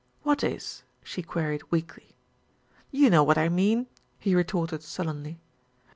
"What is?" she queried weakly. "You know what I mean," he retorted sullenly.